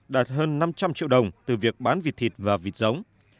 đạt hơn năm trăm linh triệu đồng từ việc bán vịt thịt và vịt giống